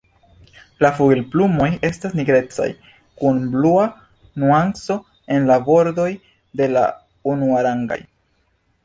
La flugilplumoj estas nigrecaj, kun blua nuanco en la bordoj de la unuarangaj.